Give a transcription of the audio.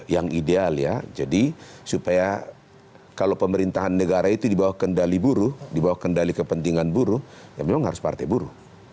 yang ideal ya jadi supaya kalau pemerintahan negara itu dibawah kendali buruh dibawa kendali kepentingan buruh ya memang harus partai buruh